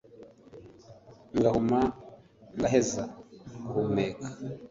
ngahuma ngaheza guhumeka